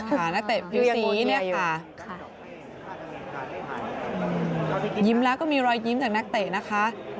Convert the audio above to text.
นักเตะผิวสีเนี่ยค่ะยิ้มแล้วก็มีรอยยิ้มจากนักเตะนะคะ